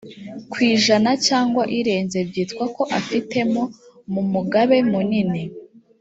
ku ijana cyangwa irenze byitwa ko afitemo mumugabe munini